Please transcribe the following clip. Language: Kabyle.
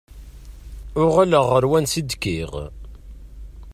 Uɣaleɣ ɣer wansi i d-kkiɣ.